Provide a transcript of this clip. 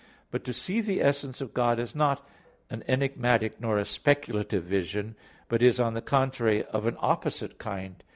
But to see the essence of God is not an enigmatic nor a speculative vision, but is, on the contrary, of an opposite kind.